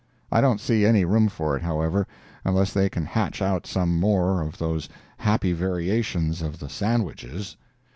I don't see any room for it, however, unless they can hatch out some more of those happy variations on the sandwiches.